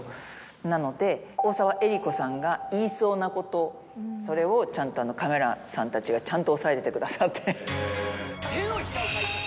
なので大澤絵里子さんが。それをちゃんとカメラさんたちがちゃんと押さえててくださって。